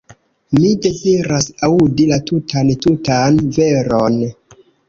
Mi deziras aŭdi la tutan, tutan veron.